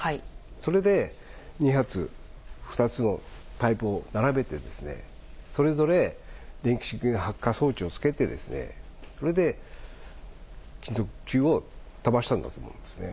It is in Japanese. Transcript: それで２発、２つのパイプを並べて、それぞれ電気式発火装置を付けて、それで金属球を飛ばしたんだと思うんですね。